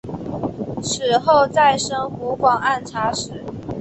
此后再升湖广按察使。